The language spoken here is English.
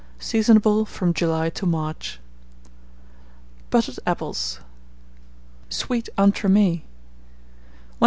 Seasonable from July to March. BUTTERED APPLES (Sweet Entremets).